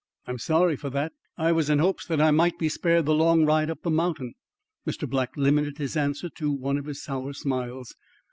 I'm sorry for that. I was in hopes that I might be spared the long ride up the mountain." Mr. Black limited his answer to one of his sour smiles.